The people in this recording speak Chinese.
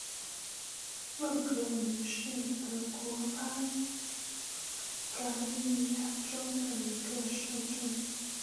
勒格灵是德国巴伐利亚州的一个市镇。